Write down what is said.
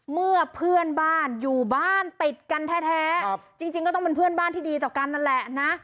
เมื่อเพื่อนบ้านอยู่บ้านติดกันแท้จริงก็ต้องเป็นเพื่อนบ้านที่ดีต่อกันนั่นแหละนะ